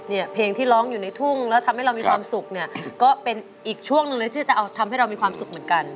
เนี่ยเพลงที่ร้องอยู่ในทุ่งแล้วทำให้เรามีความสุขเนี่ยก็เป็นอีกช่วงหนึ่งเลยที่จะเอาทำให้เรามีความสุขเหมือนกัน